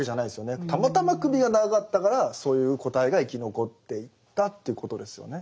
たまたま首が長かったからそういう個体が生き残っていったということですよね。